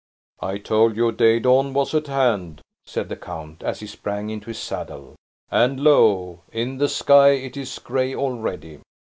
"I told you day dawn was at hand," said the count, as he sprang into his saddle; "and, lo! in the sky it is gray already."